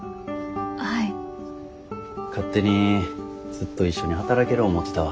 勝手にずっと一緒に働ける思てたわ。